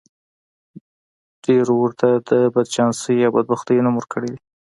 ډېرو ورته د بدچانسۍ او بدبختۍ نوم ورکړی دی.